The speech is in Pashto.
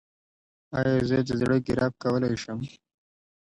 ایا زه د زړه ګراف کولی شم؟